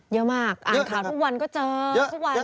เยอะมากอ่านข่าวทุกวันก็เจอ